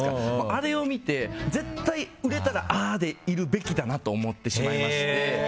あれを見て絶対売れたらああいるべきだなって思ってしまいまして。